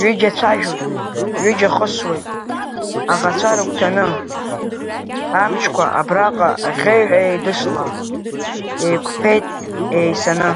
Ҩыџьа цәажәоит, ҩыџьа хысуеит, аӷацәа рыгәҭаны, амчқәа абраҟа аӷьеҩҳәа еидысла, еиқәԥеит еисаны.